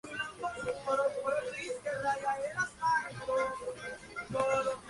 Empezó con el grupo Mountain Brothers, formado por tres raperos asiático-estadounidenses.